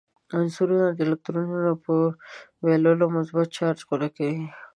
عنصرونه د الکترونونو په بایللو مثبت چارج غوره کوي.